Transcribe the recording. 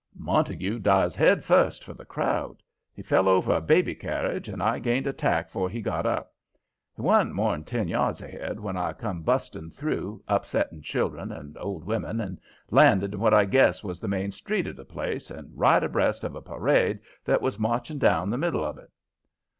Montague dives headfirst for the crowd. He fell over a baby carriage, and I gained a tack 'fore he got up. He wa'n't more'n ten yards ahead when I come busting through, upsetting children and old women, and landed in what I guess was the main street of the place and right abreast of a parade that was marching down the middle of it.